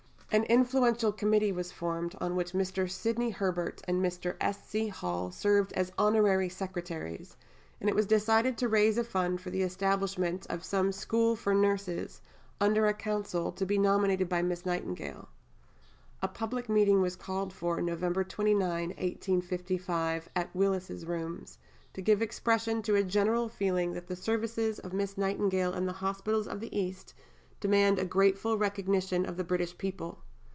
An influential Committee was formed, on which Mr. Sidney Herbert and Mr. S. C. Hall served as honorary secretaries, and it was decided to raise a fund for the establishment of some School for Nurses, under a Council, to be nominated by Miss Nightingale. A public meeting was called for November 29, 1855, at Willis's Rooms, "to give expression to a general feeling that the services of Miss Nightingale in the hospitals of the East demand the grateful recognition of the British people."